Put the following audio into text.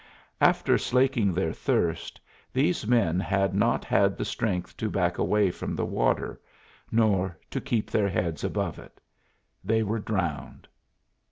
After slaking their thirst these men had not had the strength to back away from the water, nor to keep their heads above it. They were drowned.